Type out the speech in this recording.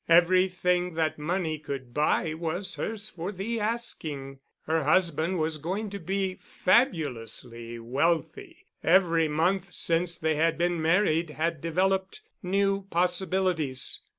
Everything that money could buy was hers for the asking. Her husband was going to be fabulously wealthy—every month since they had been married had developed new possibilities.